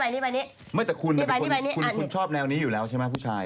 มดแต่คุณอคุณชอบแหน่วนี้อยู่แล้วใช่มั้ยผู้ชาย